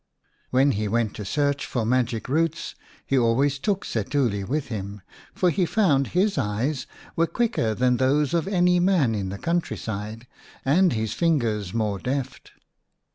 When % 1 B Setuli ; i he went to search for magic roots he always took Setuli with him, for he found his eyes were quicker than those of any man in the country side, and his fingers more deft.